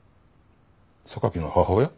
榊の母親？